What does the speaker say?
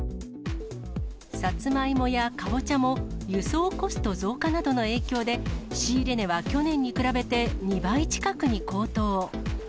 サツマイモやカボチャも、輸送コスト増加などの影響で、仕入れ値は去年に比べて２倍近くに高騰。